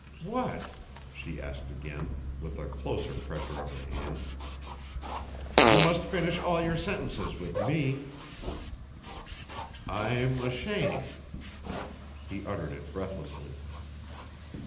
"What?" she asked again, with a closer pressure of her hand. "You must finish all your sentences with me." "I'm ashamed." He uttered it breathlessly.